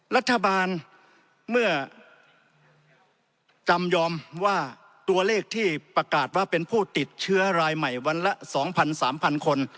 รัฐบาลเมื่อจำยอมว่าตัวเลขที่ประกาศว่าเป็นผู้ติดเชื้อรายใหม่วันละ๒๐๐๓๐๐คน